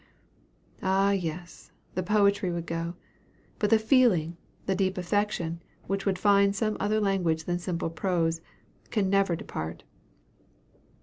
Ah, yes! the poetry would go, but the feeling, the deep affection, which would find some other language than simple prose, can never depart.